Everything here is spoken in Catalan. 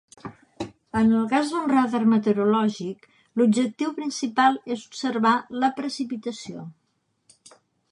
En el cas d'un radar meteorològic, l'objectiu principal és observar la precipitació.